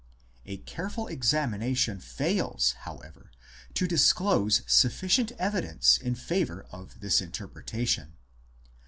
A careful examination fails, however, to disclose sufficient evidence in favour of this interpretation.